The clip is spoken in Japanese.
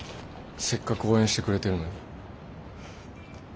せっかく応援してくれてるのに。